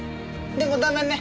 でも駄目ね。